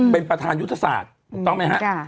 เป็นประธานยุทธศาสตร์